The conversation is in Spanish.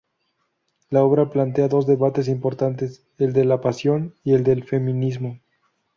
La obra plantea dos debates importantes: el de la pasión y el del feminismo.